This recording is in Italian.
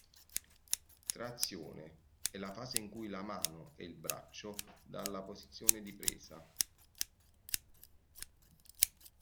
Trazione: è la fase in cui la mano (e il braccio) dalla posizione di presa.